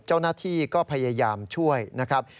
เจ้าหน้าที่ก็พยายามช่วยนะครับ